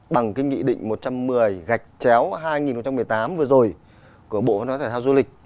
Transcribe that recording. bằng cái nghị định một trăm một mươi gạch chéo hai nghìn một mươi tám vừa rồi của bộ thải thao du lịch